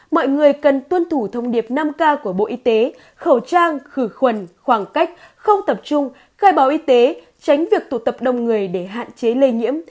mọi người cần tuân thủ thông điệp năm k của bộ y tế khẩu trang khử khuẩn khoảng cách không tập trung khai báo y tế tránh việc tụ tập đông người để hạn chế lây nhiễm